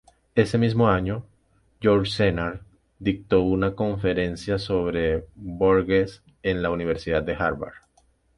Ese mismo año, Yourcenar dictó una conferencia sobre Borges en la Universidad de Harvard.